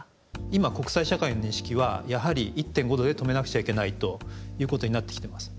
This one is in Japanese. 今国際社会の認識はやはり１．５℃で止めなくちゃいけないということになってきてます。